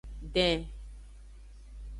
Den.